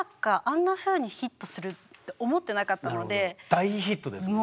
大ヒットですよね。